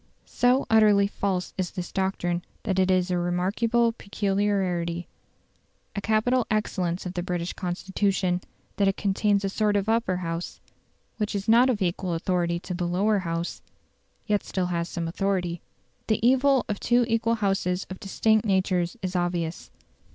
So utterly false is this doctrine that it is a remarkable peculiarity, a capital excellence of the British Constitution, that it contains a sort of Upper House, which is not of equal authority to the Lower House, yet still has some authority. The evil of two co equal Houses of distinct natures is obvious.